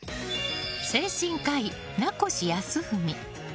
精神科医・名越康文。